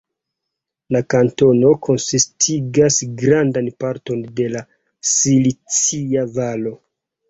La kantono konsistigas grandan parton de la Silicia Valo.